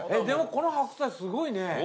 でもこの白菜すごいね。